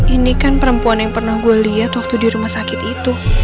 ini kan perempuan yang pernah gue lihat waktu di rumah sakit itu